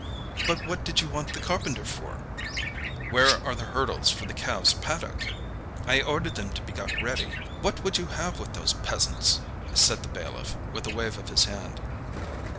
"But what did you want the carpenter for?" "Where are the hurdles for the calves' paddock?" "I ordered them to be got ready. What would you have with those peasants!" said the bailiff, with a wave of his hand.